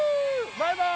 バイバイ。